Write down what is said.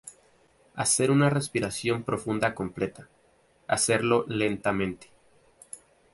Hacer una respiración profunda completa; hacerlo lentamente.